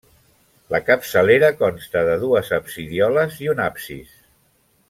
La capçalera consta de dues absidioles i un absis.